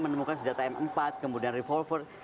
menemukan senjata m empat kemudian revolver